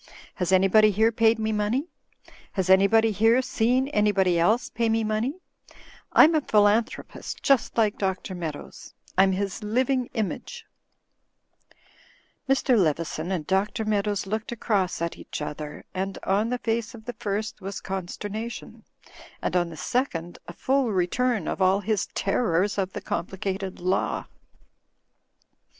Has anybody here paid me money? Has any body here seen anybody else pay me money? Fm a philanthropist just like Dr. Meadows. I'm his liv ing image!" Digitized by CjOOQIC 244 THE FLYING INN Mr, Leveson and Eh . Meadows looked across at each other, and on the face of the first was consterna tion, and on the second a full return of all his terrors of the complicated law.